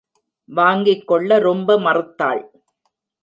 வாங்கிக் கொள்ள ரொம்ப மறுத்தாள்.